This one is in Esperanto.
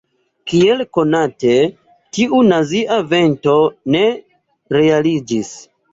Kiel konate, tiu nazia venko ne realiĝis.